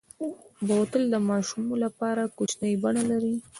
بوتل د ماشومو لپاره کوچنۍ بڼه لري.